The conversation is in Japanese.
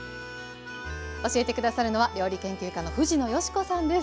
教えて下さるのは料理研究家の藤野嘉子さんです。